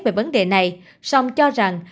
về vấn đề này song cho rằng